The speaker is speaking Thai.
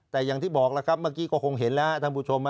แต่อย่างที่บอกแล้วครับเมื่อกี้ก็คงเห็นแล้วท่านผู้ชม